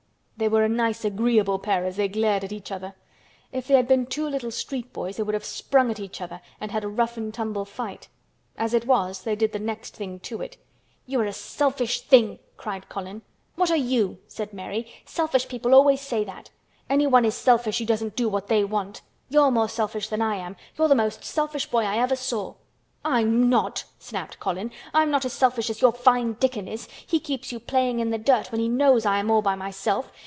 They were a nice agreeable pair as they glared at each other. If they had been two little street boys they would have sprung at each other and had a rough and tumble fight. As it was, they did the next thing to it. "You are a selfish thing!" cried Colin. "What are you?" said Mary. "Selfish people always say that. Anyone is selfish who doesn't do what they want. You're more selfish than I am. You're the most selfish boy I ever saw." "I'm not!" snapped Colin. "I'm not as selfish as your fine Dickon is! He keeps you playing in the dirt when he knows I am all by myself.